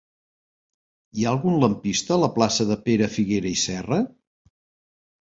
Hi ha algun lampista a la plaça de Pere Figuera i Serra?